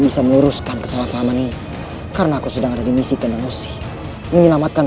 bisa menguruskan kesalahpahaman ini karena aku sedang ada di misi kandang usi menyelamatkan